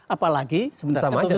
apalagi sebentar saya percaya